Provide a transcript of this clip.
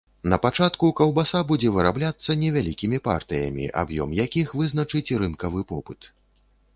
Напачатку каўбаса будзе вырабляцца невялікімі партыямі, аб'ём якіх вызначыць рынкавы попыт.